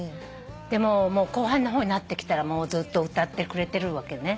後半の方になってきたらずっと歌ってくれてるわけね。